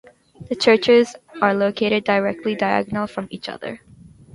The churches are located directly diagonal from each other.